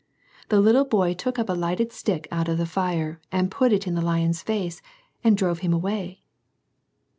The little boy took up a lighted stick out of the fire, and put it in the lion's face, and drove him away.